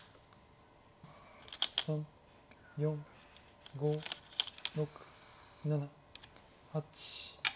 ３４５６７８。